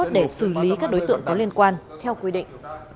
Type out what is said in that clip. để xử lý các đối tượng có liên quan theo quy định